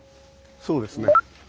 そうですね。